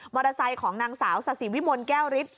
มอเตอร์ไซค์ของนางสาวสาธิวิมนต์แก้วริสต์